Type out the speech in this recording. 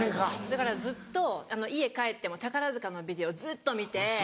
だからずっと家帰っても宝塚のビデオずっと見て。